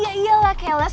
ya iyalah keles